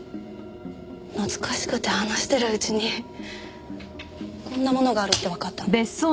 懐かしくて話してるうちにこんなものがあるってわかったの。